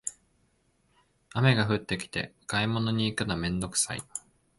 雨が降ってきて買い物行くのめんどくさい